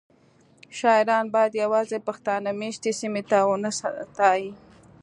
شاعران باید یوازې پښتانه میشتې سیمې ونه ستایي